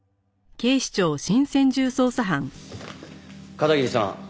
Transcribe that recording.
片桐さん。